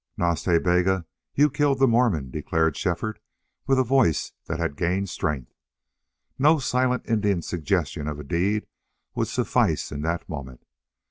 "Nas Ta Bega, you killed the Mormon," declared Shefford, with a voice that had gained strength. No silent Indian suggestion of a deed would suffice in that moment.